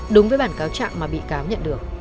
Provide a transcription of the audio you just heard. đúng với bản cáo trạng mà bị cáo nhận được